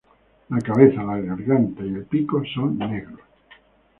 La cabeza, la garganta y el pico son negros.